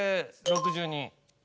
６２！？